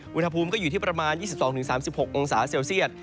อุณหภูมิก็อยู่ที่ประมาณ๒๒๓๖องศาเซลเซียต